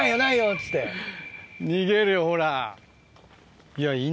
っつって逃げるよほら。